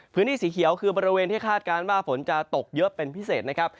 พื้นที่สีเขียวคือบริเวณที่คาดการณ์ว่าฝนจะตกเยอะเป็นพิเศษนะครับ